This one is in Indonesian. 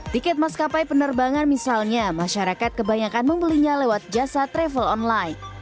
tiket maskapai penerbangan misalnya masyarakat kebanyakan membelinya lewat jasa travel online